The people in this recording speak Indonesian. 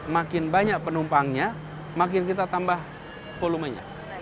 makin banyak penumpangnya makin kita tambah volumenya